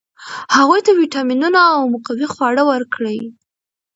هغوی ته ویټامینونه او مقوي خواړه ورکړئ.